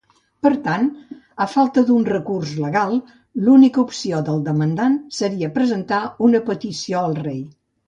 Per tant, a falta d'un recurs legal, l'única opció del demandant seria presentar una petició al rei.